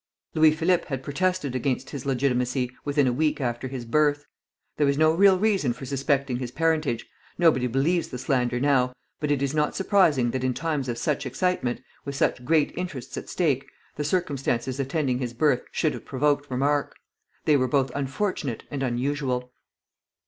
Louis Philippe had protested against his legitimacy within a week after his birth. There was no real reason for suspecting his parentage; nobody believes the slander now, but it is not surprising that in times of such excitement, with such great interests at stake, the circumstances attending his birth should have provoked remark. They were both unfortunate and unusual.